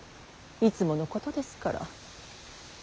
いつものことですから。